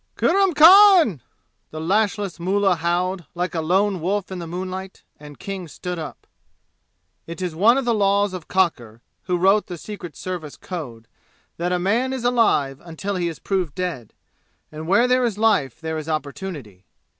"Kurram Khan!" the lashless mullah howled, like a lone wolf in the moonlight, and King stood up. It is one of the laws of Cocker, who wrote the S. S. Code, that a man is alive until he is proved dead, and where there is life there is opportunity.